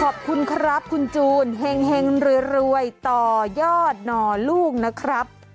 ขอบคุณครับคุณจูนเห็งรวยต่อยอดหน่อลูกนะครับ